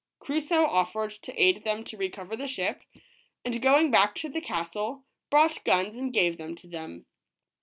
Crusoe offered to aid them to recover the ship, and going 147 ROBINSON CRUSOE. back to the castle, brought guns and gave them to them.